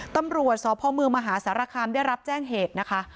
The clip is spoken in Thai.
ตำรวจสพเมืองมหาสารคามได้รับแจ้งเหตุนะคะ